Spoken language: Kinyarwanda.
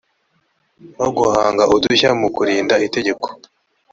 no guhanga udushya mu kurinda itegeko